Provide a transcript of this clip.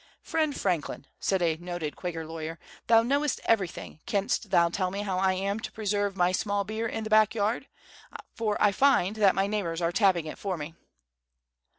"Friend Franklin," said a noted Quaker lawyer, "thou knowest everything, canst thou tell me how I am to preserve my small beer in the back yard? for I find that my neighbors are tapping it for me."